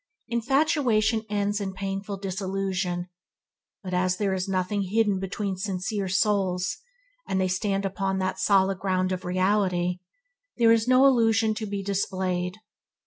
Infatuation ends in painful disillusion, but as there is nothing hidden between sincere souls, and they stand upon that solid ground of reality, there is no illusion to be displayed.